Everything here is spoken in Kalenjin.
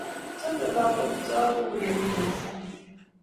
Chame lagok chok kourereni eng' sang'